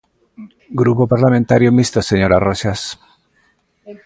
Grupo Parlamentario Mixto, señora Roxas.